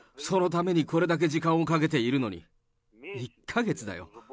そのために、これだけ時間をかけているのに、１か月だよ。